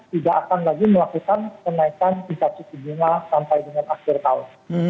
tidak akan lagi melakukan kenaikan spesifikasi keunggulan sampai dengan akhir tahun